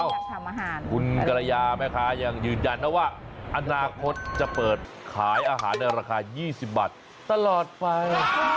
อยากทำอาหารคุณกรยาแม่ค้ายังยืนยันนะว่าอนาคตจะเปิดขายอาหารในราคา๒๐บาทตลอดไป